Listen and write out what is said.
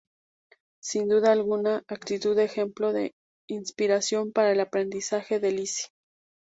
Sin duda alguna, actitud de ejemplo e inspiración para el aprendizaje de Lizzy.